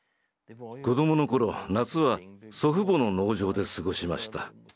子どもの頃夏は祖父母の農場で過ごしました。